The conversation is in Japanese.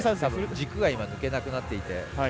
軸が今、抜けなくなっていて。